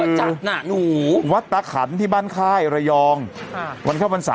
ก็คือเหมือนกับมาถวายพระอย่างเงี้ยนะ